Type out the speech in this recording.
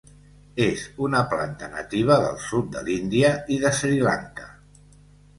És una planta nativa del sud de l'Índia i de Sri Lanka.